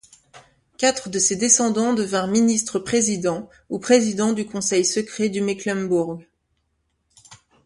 Quatre de ses descendants deviennent ministres-présidents ou présidents du conseil secret du Mecklembourg.